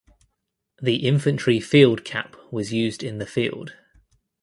The infantry field cap was used in the field.